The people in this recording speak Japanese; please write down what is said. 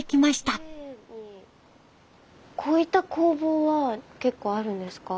こういった工房は結構あるんですか？